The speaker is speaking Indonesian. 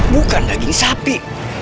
bukan daging sapi